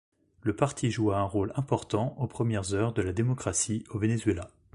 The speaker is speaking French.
Le parti joua un rôle important aux premières heures de la démocratie au Venezuela.